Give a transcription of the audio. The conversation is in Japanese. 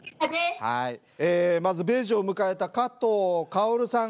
まず米寿を迎えた加藤かほるさん。